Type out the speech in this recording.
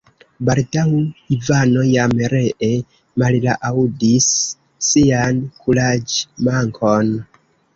Baldaŭ Ivano jam ree mallaŭdis sian kuraĝmankon.